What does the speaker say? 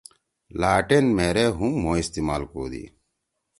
لاٹین مھیرے ہُم مھو استعال